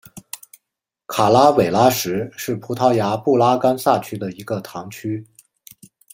卡拉韦拉什是葡萄牙布拉干萨区的一个堂区。